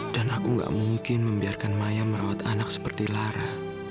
dan aku tidak mungkin membiarkan maya merawat anak seperti lara